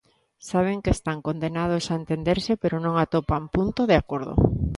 Saben que están condenados a entenderse pero non atopan punto de acordo.